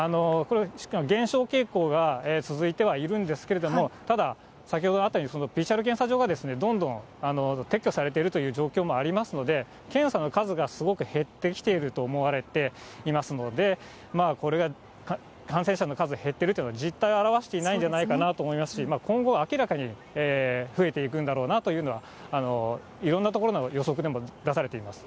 減少傾向が続いてはいるんですけれども、ただ先ほどあったように、ＰＣＲ検査場がどんどん撤去されているという状況もありますので、検査の数がすごく減ってきていると思われていますので、これが感染者の数減ってるというのが実態を表していないんじゃないかなと思いますし、今後、明らかに増えていくんだろうなというのは、いろんなところの予測でも出されています。